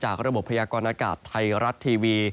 จากระบบพยากรณ์อากาศไทยรัตธิวี